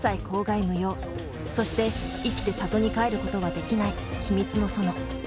そして生きて郷に帰ることはできない秘密の園。